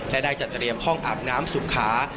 และได้จัดเตรียมห้องอาบน้ำสุขา